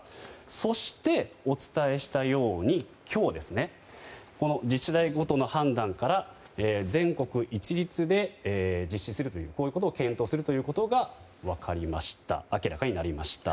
そして、お伝えしたように今日、自治体ごとの判断から全国一律で実施することを検討するということが明らかになりました。